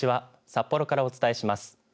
札幌からお伝えします。